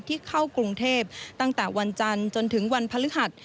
เข้ากรุงเทพตั้งแต่วันจันทร์จนถึงวันพฤหัส